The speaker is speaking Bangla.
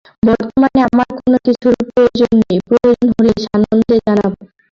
বর্তমানে আমার কোন কিছুর প্রয়োজন নেই, প্রয়োজন হলে সানন্দে জানাব।